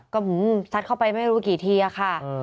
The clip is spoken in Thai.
ก็ซัดเข้าไปไม่รู้กี่ทีอะค่ะ